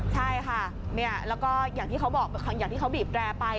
ใช่ค่ะแล้วก็อย่างที่เขาบีบแกรไป